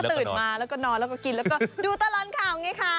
ตื่นมาแล้วก็นอนแล้วก็กินแล้วก็ดูตลอดข่าวไงคะ